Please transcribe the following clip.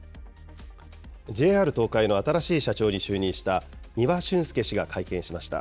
ＪＲ東海の新しい社長に就任した丹羽俊介氏が会見しました。